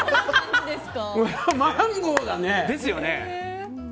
これはマンゴーだね。ですよね。